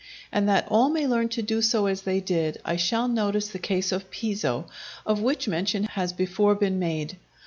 And that all may learn to do as they did I shall notice the case of Piso, of which mention has before been made.